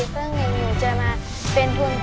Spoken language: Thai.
ผมก็วันโปรด